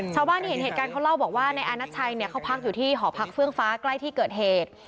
ชาวบ้านที่เห็นเหตุการณ์เขาเล่าบอกว่านายอาณัชชัยเขาพักอยู่ที่หอพักเฟื่องฟ้าใกล้ที่เกิดเหตุ